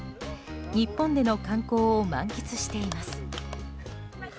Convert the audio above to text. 日本での観光を満喫しています。